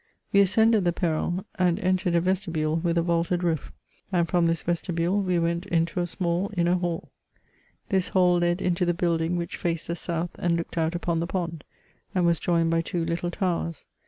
We ascended the perron, and entered a vestibule, with a vaulted roof ; and from this vesti bule we went into a small inner hall. This hall led into the building which faced the south and looked out upon the pond, and was joined by two little towers.